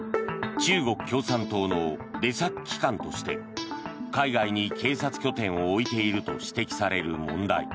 中国共産党の出先機関として海外に警察拠点を置いていると指摘される問題。